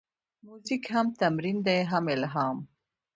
موزیک هم تمرین دی، هم الهام.